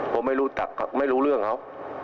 ผมไม่รู้จักไม่รู้เรื่องเขา